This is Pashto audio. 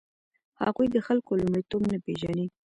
هغوی د خلکو لومړیتوب نه پېژني.